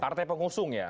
partai pengusung ya